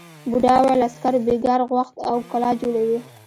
بوڊا وویل عسکرو بېگار غوښت او کلا جوړوي.